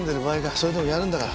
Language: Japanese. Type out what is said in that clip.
それでもやるんだから。